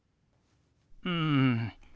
うん。